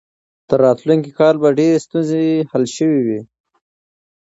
تر راتلونکي کاله به ډېرې ستونزې حل شوې وي.